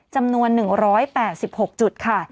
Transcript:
จำนวน๑๘๖จุด